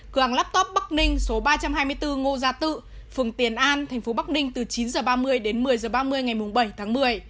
cửa hàng laptop bắc ninh số ba trăm hai mươi bốn ngô gia tự phường tiền an thành phố bắc ninh từ chín h ba mươi đến một mươi h ba mươi ngày bảy tháng một mươi